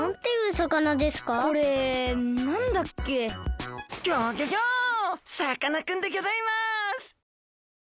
さかなクンでギョざいます！